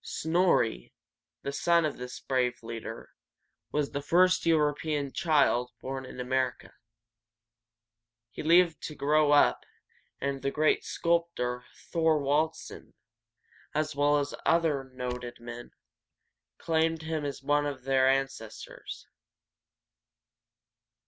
Snor´ri, the son of this brave leader, was the first European child born in America. He lived to grow up, and the great sculptor Thor´wald sen, as well as several other noted men, claimed him as one of their ancestors.